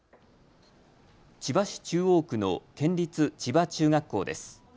千葉市中央区の県立千葉中学校です。